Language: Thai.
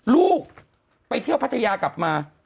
ลูกไปเที่ยวพัทยากลับมา